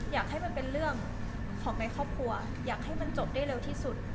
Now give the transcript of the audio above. อยากให้มันเป็นเรื่องของในครอบครัวอยากให้มันจบได้เร็วที่สุด